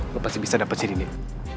lo pasti bisa dapet sini deh